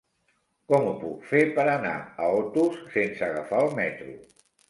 Com ho puc fer per anar a Otos sense agafar el metro?